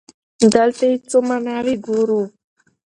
دلته يې څو ماناوې ګورو.